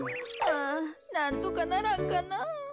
ああなんとかならんかな。